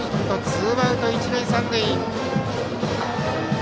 ツーアウト一塁三塁。